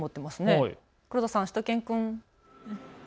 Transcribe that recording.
黒田さん、しゅと犬くん。